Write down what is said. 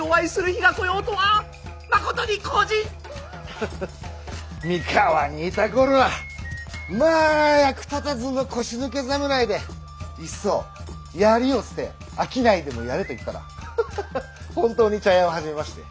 ハハッ三河にいた頃はまあ役立たずの腰抜け侍でいっそ槍を捨て商いでもやれと言ったらハハハッ本当に茶屋を始めまして。